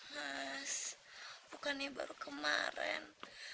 mas bukan nih baru kemarin